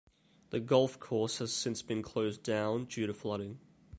The golf course has since been closed down, due to flooding.